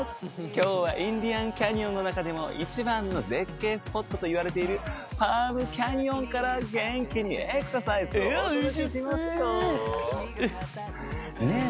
今日はインディアンキャニオンの中でも一番の絶景スポットといわれているパームキャニオンから元気にエクササイズをお届けしますよねえ